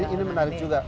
nah ini menarik juga